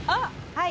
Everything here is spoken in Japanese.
はい。